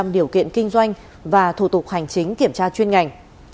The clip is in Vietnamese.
điều kiện kinh doanh và thủ tục hành chính kiểm tra chuyên ngành